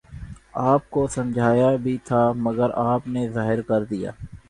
آپ کو سمجھایا بھی تھا مگر آپ نے ظاہر کر دیا۔